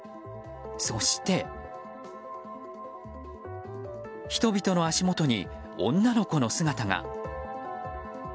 そして人々の足元に女の子の姿が。